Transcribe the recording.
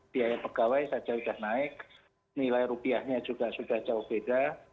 biaya pegawai saja sudah naik nilai rupiahnya juga sudah jauh beda